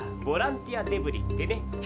ボランティアデブリってね。